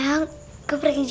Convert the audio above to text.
jadi pengen gue birangin projek